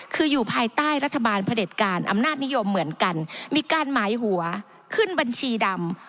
คืออยู่ภายใต้รัฐบาลพระเด็จการอำนาจนิยมเหมือนกันมีการหมายหัวขึ้นบัญชีดำ